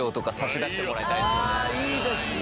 あいいですね。